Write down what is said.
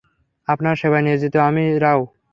আপনার সেবায় নিয়োজিত আমি রাও।